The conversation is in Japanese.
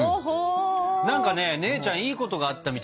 何かね姉ちゃんいいことがあったみたいなんだよね。